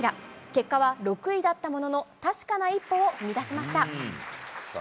結果は６位だったものの、確かな一歩を踏み出しました。